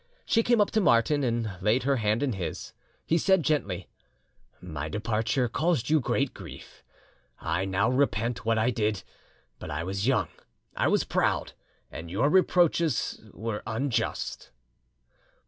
She came up to Martin and laid her hand in his. He said gently— "My departure caused you great grief: I now repent what I did. But I was young, I was proud, and your reproaches were unjust."